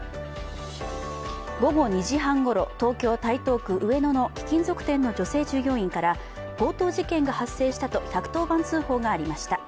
午後２時半ごろ、東京・台東区上野の貴金属店の女性従業員から強盗事件が発生したと１１０番通報がありました。